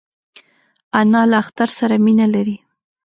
انا له اختر سره مینه لري